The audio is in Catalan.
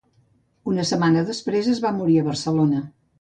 Una setmana després, es va morir a Barcelona.